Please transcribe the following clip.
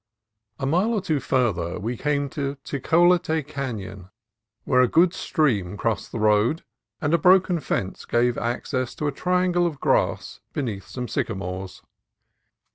A mile or two farther on we came to Tecolote Canon, where a good stream crossed the road, and a broken fence gave access to a triangle of grass be neath some sycamores.